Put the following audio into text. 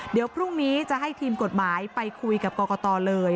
เดี๋ยวพรุ่งนี้จะให้ทีมกฎหมายไปคุยกับกรกตเลย